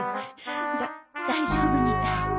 だ大丈夫みたい。